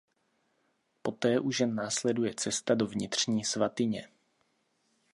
Poté už jen následuje cesta do vnitřní svatyně.